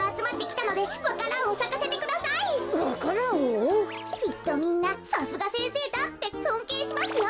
きっとみんな「さすがせんせいだ」ってそんけいしますよ。